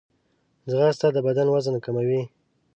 ځغاسته د بدن وزن کموي